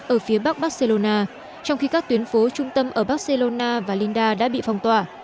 ở phía bắc barcelona trong khi các tuyến phố trung tâm ở barcelona và linda đã bị phong tỏa